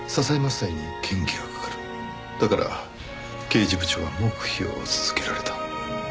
だから刑事部長は黙秘を続けられた。